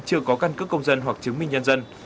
chưa có căn cước công dân hoặc chứng minh nhân dân